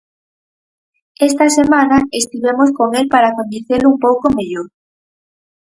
Esta semana estivemos con el para coñecelo un pouco mellor.